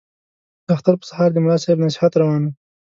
د اختر په سهار د ملا صاحب نصیحت روان وو.